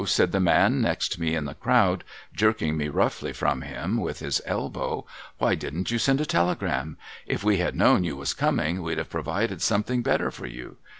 ' said the man next me in the crowd, jerking me roughly from him with his elbow, ' why didn't you send a telegram ? If we had known you was coming, we'd have provided something better for you.